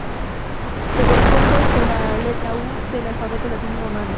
Se corresponde con la letra U del alfabeto latino o romano.